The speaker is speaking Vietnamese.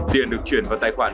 tiền được chuyển vào tài khoản